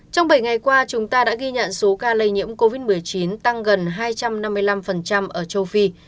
trong bảy ngày qua chúng ta đã ghi nhận số ca lây nhiễm covid một mươi chín tăng gần hai trăm năm mươi năm ở châu phi